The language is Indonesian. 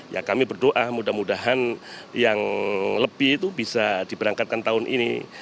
ya kami berdoa mudah mudahan yang lebih itu bisa diberangkatkan tahun ini